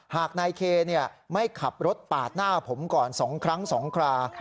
หากนายเคไม่ขับรถปาดหน้าผมก่อน๒ครั้ง๒ครา